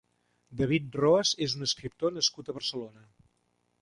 David Roas és un escriptor nascut a Barcelona.